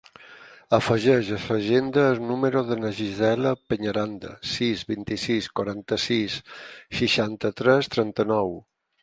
Afegeix a l'agenda el número de la Gisela Peñaranda: sis, vint-i-sis, quaranta-sis, seixanta-tres, trenta-nou.